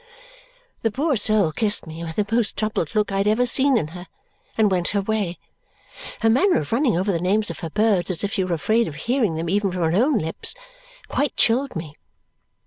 The poor soul kissed me with the most troubled look I had ever seen in her and went her way. Her manner of running over the names of her birds, as if she were afraid of hearing them even from her own lips, quite chilled me.